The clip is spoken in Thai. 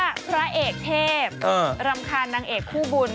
รำคาญนางเอกคู่บุญ